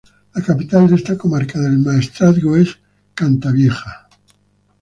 La capital de esta comarca del Maestrazgo es Cantavieja.